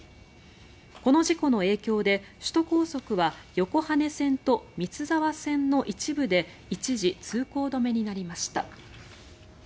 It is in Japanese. この事故の影響で首都高速は横羽線と三ツ沢線の一部で一時、通行止めになりました。